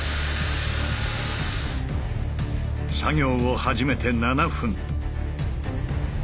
作業を始めて７分。